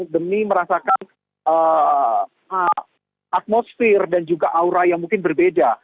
demi merasakan atmosfer dan juga aura yang mungkin berbeda